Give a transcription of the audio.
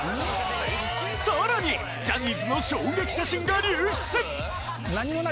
さらに、ジャニーズの衝撃写真が流出。